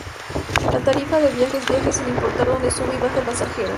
La tarifa del viaje es viaje sin importar donde sube y baja el pasajero.